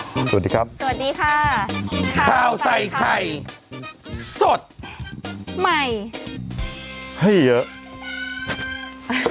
สวัสดีครับสวัสดีค่ะข้าวใส่ไข่สดใหม่ให้เยอะ